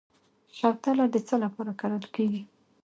شوتله د څه لپاره کرل کیږي؟